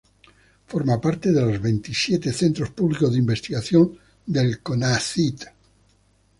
Forma parte de los veintisiete centros públicos de investigación del Conacyt.